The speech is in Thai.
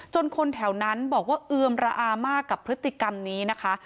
คนแถวนั้นบอกว่าเอือมระอามากกับพฤติกรรมนี้นะคะ